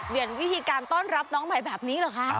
วิธีการต้อนรับน้องใหม่แบบนี้เหรอคะ